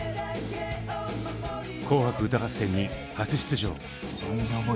「紅白歌合戦」に初出場。